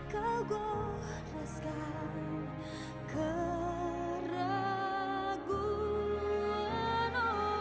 kau goreskan keraguan